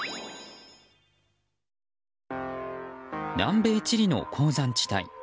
南米チリの鉱山地帯。